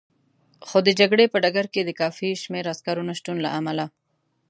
خو د جګړې په ډګر کې د کافي شمېر عسکرو نه شتون له امله.